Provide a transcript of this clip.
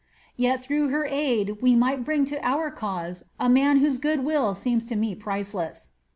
"Yet through her aid we might bring to our cause a man whose good will seems to me priceless."